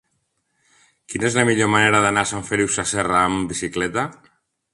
Quina és la millor manera d'anar a Sant Feliu Sasserra amb bicicleta?